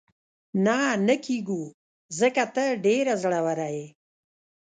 نه، نه کېږو، ځکه ته ډېره زړوره یې.